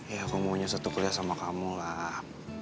ya kamu maunya satu kuliah sama kamu lah